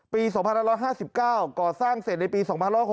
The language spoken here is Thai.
ปี๒๕๕๙ก่อสร้างเสร็จในปี๒๖๖